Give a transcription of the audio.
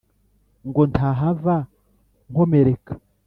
ngo ntahava nkomereka